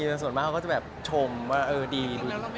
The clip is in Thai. กลัวไม่มีส่วนมากเขาก็จะแบบชมว่าเออดี